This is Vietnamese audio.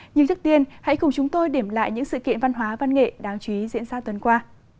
nhưng trước tiên hãy cùng chúng tôi điểm lại những sự kiện văn hóa văn nghệ đáng chú ý diễn ra tuần qua